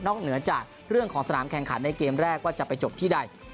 เหนือจากเรื่องของสนามแข่งขันในเกมแรกว่าจะไปจบที่ใด